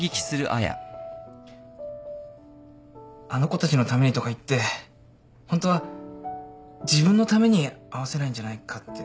あの子たちのためにとか言ってホントは自分のために会わせないんじゃないかって。